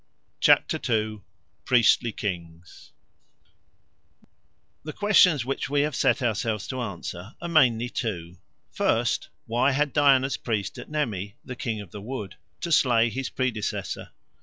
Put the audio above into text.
II. Priestly Kings THE questions which we have set ourselves to answer are mainly two: first, why had Diana's priest at Nemi, the King of the Wood, to slay his predecessor?